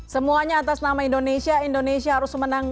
semuanya atas nama indonesia indonesia harus menang